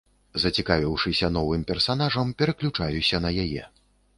Зацікавіўшыся новым персанажам, пераключаюся на яе.